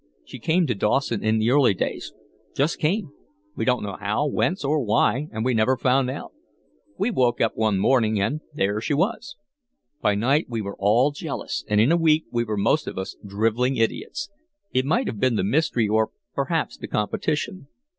She came to Dawson in the early days just came we didn't know how, whence, or why, and we never found out. We woke up one morning and there she was. By night we were all jealous, and in a week we were most of us drivelling idiots. It might have been the mystery or, perhaps, the competition.